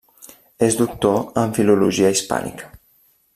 És doctor en Filologia Hispànica.